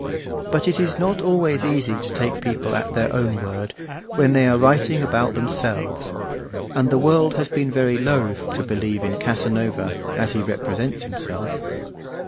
But it is not always easy to take people at their own word, when they are writing about themselves; and the world has been very loth to believe in Casanova as he represents himself.